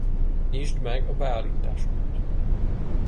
Nyisd meg a Beállításokat!